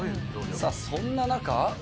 さあそんな中。